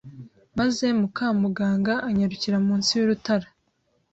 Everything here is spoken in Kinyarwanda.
maze Mukamuganga anyarukira munsi y'urutara